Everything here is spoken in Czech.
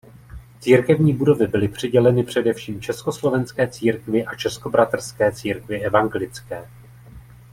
Církevní budovy byly přiděleny především Československé církvi a Českobratrské církvi evangelické.